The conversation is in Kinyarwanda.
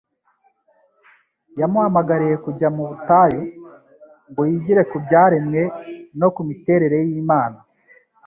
Yamuhamagariye kujya mu butayu, ngo yigire ku byaremwe no ku miterere y'Imana.